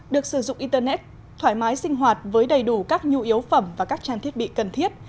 được sử dụng internet thoải mái sinh hoạt với đầy đủ các nhu yếu phẩm và các trang thiết bị cần thiết